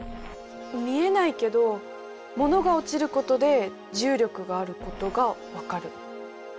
見えないけど物が落ちることで重力があることが分かる。